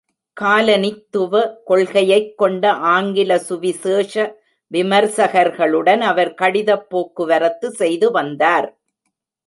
காலனித்துவ கொள்கையைக் கொண்ட ஆங்கில சுவிசேஷ விமர்சகர்களுடன் அவர் கடிதப் போக்குவரத்து செய்து வந்தார்.